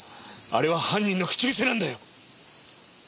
あれは犯人の口癖なんだよ！